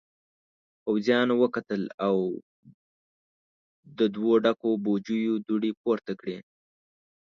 پوځيانو وکتل او دوو ډکو بوجيو دوړې پورته کړې.